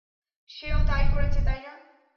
সে-ও তাই করেছে, তাই না?